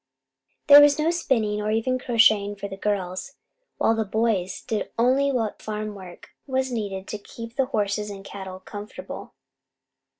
There was no spinning, or even crocheting, for the girls, while the boys did only what farm work was needed to keep the horses and cattle comfortable.